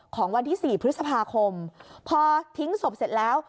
ของวันที่๔พฤษภาคมพอทิ้งศพเสร็จแล้ว